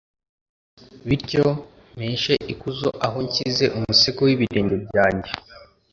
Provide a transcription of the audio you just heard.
bityo mpeshe ikuzo aho nshyize umusego w’ibirenge byanjye.